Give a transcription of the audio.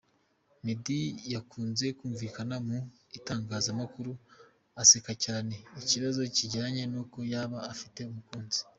Medd yakunze kumvikana mu itangazamakuru aseka cyane ikibazo cyijyanye n’uko yaba afite umukunzi.